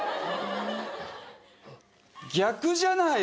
逆じゃない？